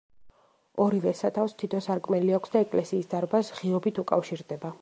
ორივე სათავსს თითო სარკმელი აქვს და ეკლესიის დარბაზს ღიობით უკავშირდება.